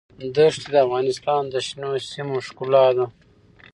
دښتې د افغانستان د شنو سیمو ښکلا ده.